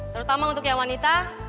terutama untuk yang wanita